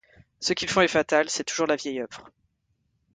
Ce qu'ils font est fatal ; c'est toujours la vieille oeuvre